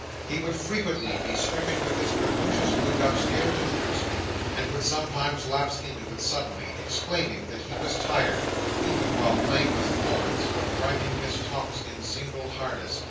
He would frequently be stricken with this precocious mood upstairs in the nursery; and would sometimes lapse into it suddenly, exclaiming that he was tired: even while playing with Florence, or driving Miss Tox in single harness.